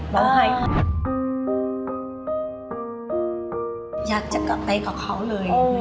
ดูที่อีกอยากจะกลับไปกับเขาเลย